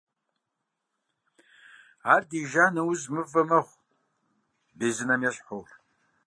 Ар диижа нэужь мывэ мэхъу, безынэм ещхьу.